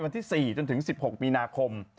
ที่๔๑๖มีนาคม